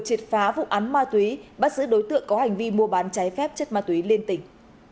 triệt phá vụ án ma túy bắt giữ đối tượng có hành vi mua bán trái phép chất ma túy liên tỉnh